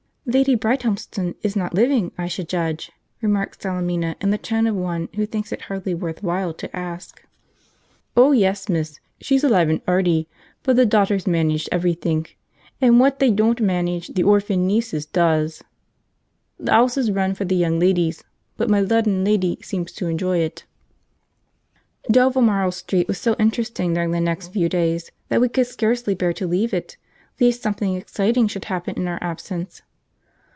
"Lady Brighthelmston is not living, I should judge," remarked Salemina, in the tone of one who thinks it hardly worth while to ask. "Oh, yes, miss, she's alive and 'earty; but the daughters manages everythink, and what they down't manage the h'orphan nieces does. The 'ouse is run for the young ladies, but m'ludanlady seems to enjoy it." Dovermarle Street was so interesting during the next few days that we could scarcely bear to leave it, lest something exciting should happen in our absence.